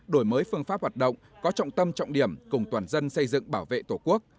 đổi mới phương pháp hoạt động có trọng tâm trọng điểm cùng toàn dân xây dựng bảo vệ tổ quốc